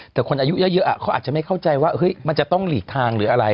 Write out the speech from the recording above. แต่คนอายุเยอะเขาอาจจะไม่เข้าใจว่ามันจะต้องหลีกทางหรืออะไร